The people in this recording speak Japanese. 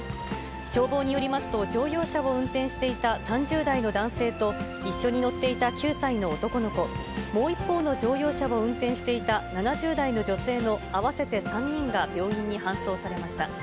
消防によりますと、乗用車を運転していた３０代の男性と、一緒に乗っていた９歳の男の子、もう一方の乗用車を運転していた７０代の女性の合わせて３人が、病院に搬送されました。